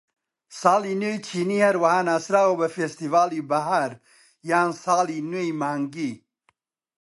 ساڵی نوێی چینی هەروەها ناسراوە بە فێستیڤاڵی بەهار یان ساڵی نوێی مانگی.